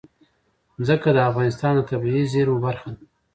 ځمکه د افغانستان د طبیعي زیرمو برخه ده.